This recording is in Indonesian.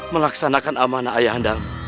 melaksanakan amanah ayah andam